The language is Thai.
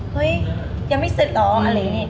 เฮ้ยยังไม่เสร็จเหรออะไรอย่างนี้